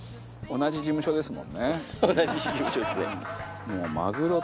同じ事務所ですね。